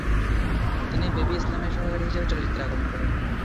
তিনি বেবী ইসলামের সহকারী হিসেবে চলচ্চিত্রে আগমন করেন।